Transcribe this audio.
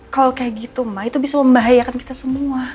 kalo kayak gitu ma itu bisa membahayakan kita semua